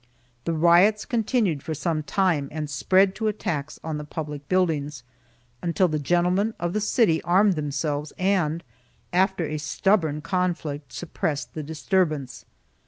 The riots continued for some time and spread to attacks on the public buildings, until the gentlemen of the city armed themselves and, after a stubborn conflict, suppressed the disturbance.